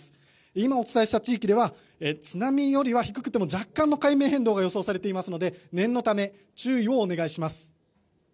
今お伝えした地域では津波よりは低くても若干の海面変動が予想されていますので念のため注意をお願いします。